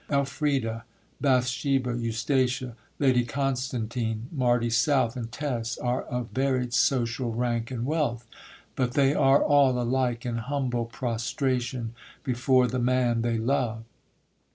Elfride, Bathsheba, Eustacia, Lady Constantine, Marty South, and Tess are of varied social rank and wealth; but they are all alike in humble prostration before the man they love.